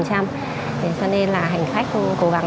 cho nên là hành khách cố gắng